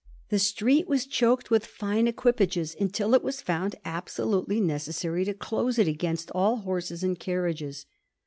The street was choked with fine equipages, until it was found absolutely necessary to close it against all horses and carriages.